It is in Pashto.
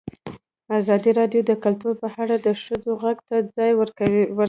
ازادي راډیو د کلتور په اړه د ښځو غږ ته ځای ورکړی.